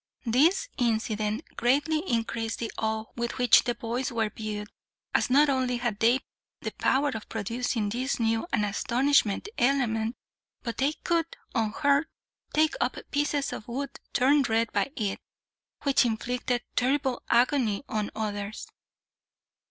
This incident greatly increased the awe with which the boys were viewed, as not only had they the power of producing this new and astonishing element, but they could, unhurt, take up pieces of wood turned red by it, which inflicted terrible agony on others.